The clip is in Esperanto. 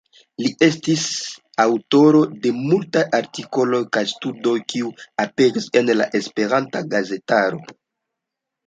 Li estis aŭtoro de multaj artikoloj kaj studoj, kiuj aperis en la Esperanta gazetaro.